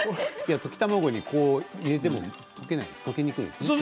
溶き卵に入れても溶けないんですね。